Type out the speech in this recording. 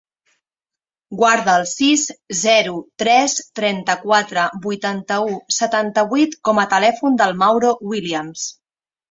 Guarda el sis, zero, tres, trenta-quatre, vuitanta-u, setanta-vuit com a telèfon del Mauro Williams.